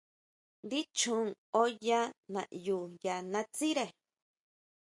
Ndí chjon oyá naʼyu ya natsire.